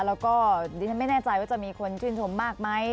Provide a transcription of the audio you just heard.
แล้วก็ดิฉันไม่แน่ใจว่าจะมีคนชื่นชมมากไหม